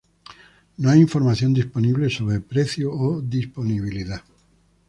No hay información disponible sobre precio o disponibilidad.